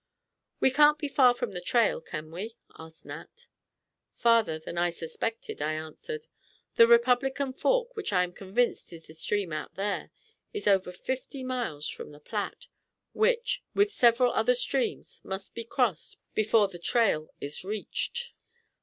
"We can't be far from the 'trail,' can we?" asked Nat. "Farther than I suspected," I answered. "The Republican Fork, which I am convinced is the stream out there, is over fifty miles from the Platte, which, with several other streams must be crossed before the trail is reached."